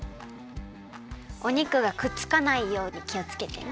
お肉がくっつかないようにきをつけてね。